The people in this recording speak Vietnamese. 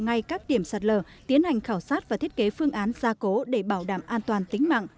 ngay các điểm sạt lở tiến hành khảo sát và thiết kế phương án gia cố để bảo đảm an toàn tính mạng